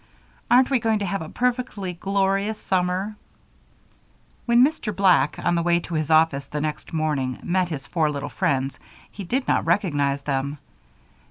"Aren't we going to have a perfectly glorious summer?" When Mr. Black, on the way to his office the next morning, met his four little friends, he did not recognize them.